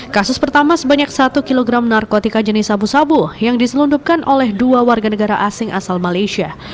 kasus pertama sebanyak satu kg narkotika jenis sabu sabu yang diselundupkan oleh dua warga negara asing asal malaysia